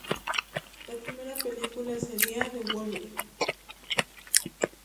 La primera película sería "The Wolverine".